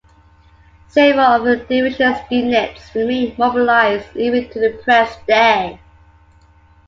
Several of the division's units remain mobilized even to the present day.